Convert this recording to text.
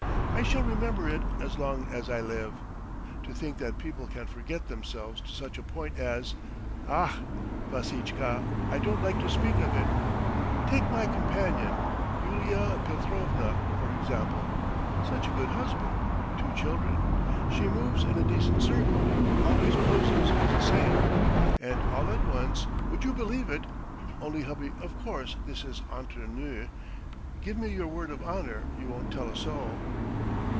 I shall remember it as long as I live! To think that people can forget themselves to such a point as ... ach, Vassitchka, I don't like to speak of it! Take my companion, Yulia Petrovna, for example. ... Such a good husband, two children ... she moves in a decent circle, always poses as a saint and all at once, would you believe it. ... Only, hubby, of course this is entre nous. ... Give me your word of honour you won't tell a soul?"